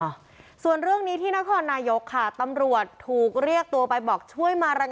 อ่ะส่วนเรื่องนี้ที่นครนายกค่ะตำรวจถูกเรียกตัวไปบอกช่วยมารายงาน